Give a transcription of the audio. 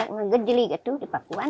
ngejeli gitu di pakuwan